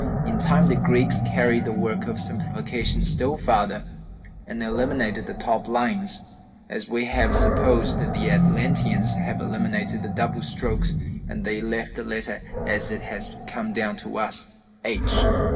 In time the Greeks carried the work of simplification still farther, and eliminated the top lines, as we have supposed the Atlanteans to have eliminated the double strokes, and they left the letter as it has come down to us, H.